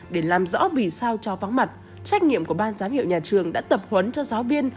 để làm rõ vì sao cho vắng mặt trách nhiệm của ban giám hiệu nhà trường đã tập huấn cho giáo viên